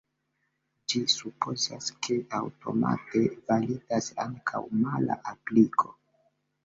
Ĝi supozas, ke aŭtomate validas ankaŭ mala apliko.